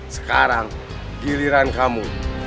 sekarang giliran kamu